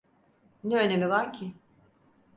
Ne önemi var ki?